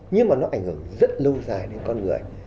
nhưng mà nó ảnh hưởng rất lâu dài đến con người